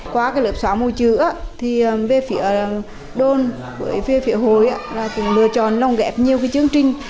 qua lớp xóa mù chữ về phía đôn về phía hồi tôi lựa chọn nồng ghép nhiều chương trình